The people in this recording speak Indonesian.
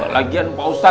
lagian pak ustadz